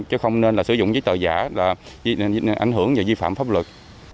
chứ không nên là sử dụng giấy tờ giả là ảnh hưởng và vi phạm pháp luật